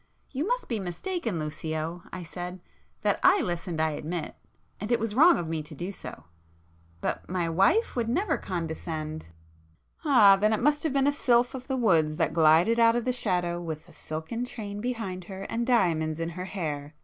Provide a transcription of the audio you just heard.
"You must be mistaken Lucio—" I said—"That I listened I admit,—and it was wrong of me to do so,—but my wife would never condescend ..." "Ah, then it must have been a sylph of the woods that glided out of the shadow with a silken train behind her and diamonds in her hair!"